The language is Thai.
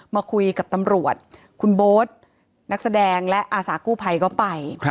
มาคุยกับตำรวจคุณโบ๊ทนักแสดงและอาสากู้ภัยก็ไป